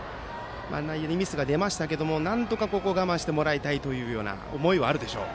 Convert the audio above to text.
内野にミスは出ましたがなんとかここを我慢してもらいたいという思いはあるでしょう。